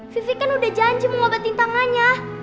vivi kan udah janji mau ngobatin tangannya